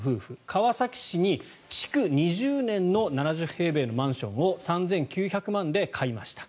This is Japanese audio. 川崎市に築２０年の７０平米のマンションを３９００万円で買いました。